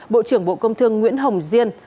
bộ trưởng bộ công thương nguyễn hồng diên